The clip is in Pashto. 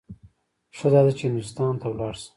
ښه داده چې هندوستان ته ولاړ شم.